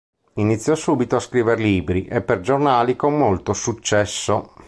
Iniziò subito a scrivere libri e per giornali con molto successo.